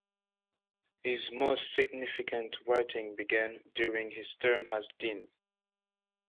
His most significant writing began during his term as Dean.